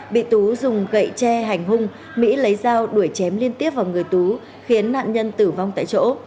bị tú dùng gậy tre hành hung mỹ lấy dao đuổi chém liên tiếp vào người tú khiến nạn nhân tử vong tại chỗ